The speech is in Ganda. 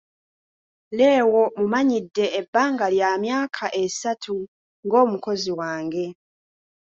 Leo mumanyidde ebbanga lya myaka esatu ng'omukozi wange.